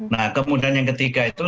nah kemudian yang ketiga itu